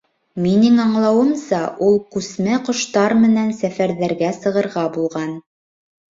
Минең аңлауымса ул күсмә ҡоштар менән сәфәрҙәргә сығырға булған.